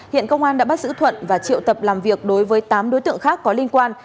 hiện công an đã bắt giữ thuận và triệu tập làm việc đối với tám đối tượng khác có liên quan